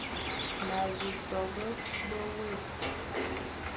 M a nsu sobe ebe we,